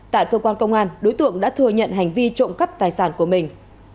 tại cơ quan công an đối tượng đã thừa nhận hành vi trộm cắp tài sản của mình